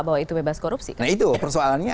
bahwa itu bebas korupsi nah itu persoalannya